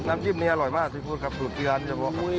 น้ำจิ้มนี้อร่อยมากซีฟู้ดครับปลูกเกียรติเฉพาะครับ